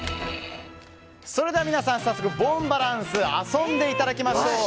それでは皆さん早速、ボンバランス遊んでいただきましょう。